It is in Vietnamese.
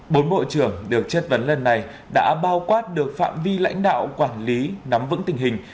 bốn bộ trưởng được chất vấn lần này đã bao quát được phạm vi lãnh đạo quản lý nắm vững tình hình